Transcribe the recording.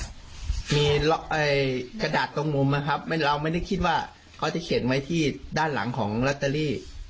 ก็มีกระดาษตรงมุมนะครับเราไม่ได้คิดว่าเขาจะเขียนไว้ที่ด้านหลังของลอตเตอรี่